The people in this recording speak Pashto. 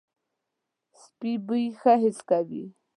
سپي بوی ښه حس کوي.